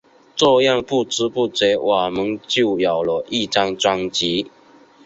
这样不知不觉我们就有了一张专辑。